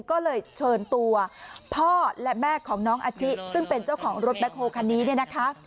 ก็เลยเชิญตัวพ่อและแม่ของน้องอาชิซึ่งเป็นเจ้าของรถแบคโฮคันนี้เนี่ยนะคะ